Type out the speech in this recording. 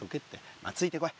まあついてこい。